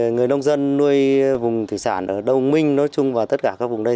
hiện tại người nông dân nuôi vùng thủy sản ở đông minh và tất cả các vùng đây